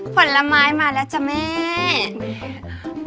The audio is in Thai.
ผลไม้มาแล้วจ้ะแม่